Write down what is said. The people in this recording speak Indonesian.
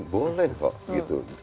boleh kok gitu